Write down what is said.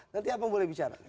nanti bang boleh bicara